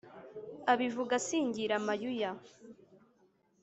abivuga asingira mayuya